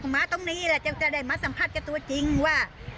มาตรงนี้แหละจะได้มาสัมภาษณ์กับตัวจริงว่า